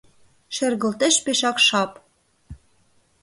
Шергылтеш пешак шап